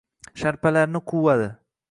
Sharpalarni quvadi.